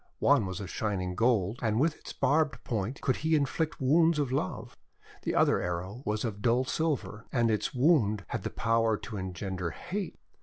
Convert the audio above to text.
One was of shining gold, and with ks barbed point could he inflict wounds of love. The other arrow was of dull silver, and its wound had the power to engender hate.